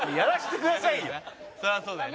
そりゃそうだよね。